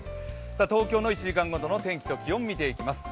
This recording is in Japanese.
東京の１時間ごとの天気と気温を見ていきます。